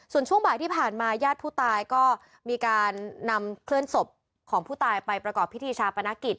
ส่วนช่วงบ่ายที่ผ่านมาญาติผู้ตายก็มีการนำเคลื่อนศพของผู้ตายไปประกอบพิธีชาปนกิจ